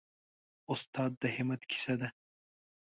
استاد د همت کیسه ده.